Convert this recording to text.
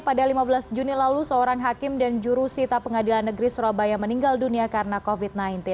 pada lima belas juni lalu seorang hakim dan jurusita pengadilan negeri surabaya meninggal dunia karena covid sembilan belas